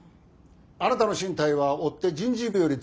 あなたの進退は追って人事部より通達します。